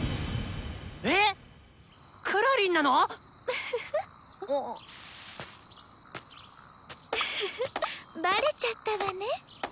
ウフフバレちゃったわね。